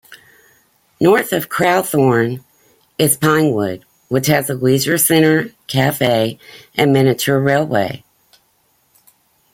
North of Crowthorne is Pinewood which has a leisure centre, cafe and miniature railway.